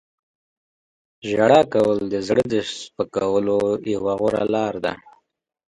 • ژړا کول د زړه د سپکولو یوه غوره لاره ده.